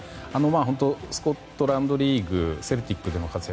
スコットランドリーグセルティックでの活躍